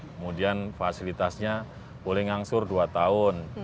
kemudian fasilitasnya boleh ngangsur dua tahun